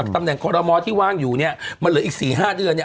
ตำแหน่งคอรมอที่ว่างอยู่มันเหลืออีก๔๕เดือน